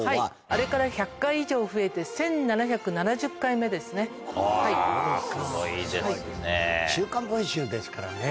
あれから１００回以上増えて、すごいですね。